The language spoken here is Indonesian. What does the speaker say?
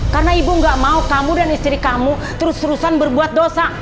karena ibu nggak mau kamu dan istri kamu terus terusan berbuat dosa